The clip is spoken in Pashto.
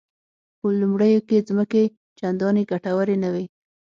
په لومړیو کې ځمکې چندانې ګټورې نه وې.